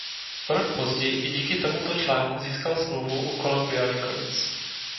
O rok později i díky tomuto článku získal smlouvu u Columbia Records.